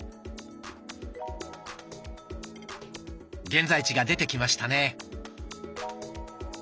現在地が出てきましたね。